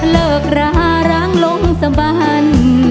เลิกราร้างลงสบัน